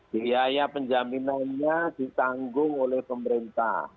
biaya penjaminannya ditanggung oleh pemerintah